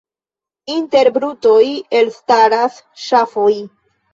Inter brutoj elstaras ŝafoj.